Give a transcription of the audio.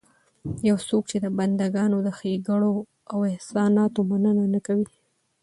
يو څوک چې د بنده ګانو د ښېګړو او احساناتو مننه نه کوي